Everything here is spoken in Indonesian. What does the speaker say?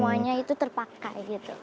semuanya itu terpakai gitu